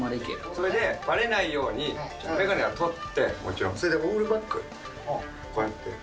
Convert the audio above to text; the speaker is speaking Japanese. それでばれないように眼鏡を取って、それでオールバックに、こうやって。